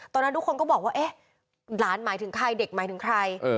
ตอนนั้นทุกคนก็บอกว่าเอ๊ะหลานหมายถึงใครเด็กหมายถึงใคร